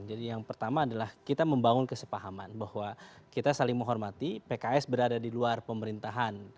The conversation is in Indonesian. jadi yang pertama adalah kita membangun kesepahaman bahwa kita saling menghormati pks berada di luar pemerintahan